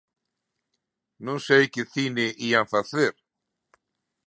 Non sei que cine ían facer.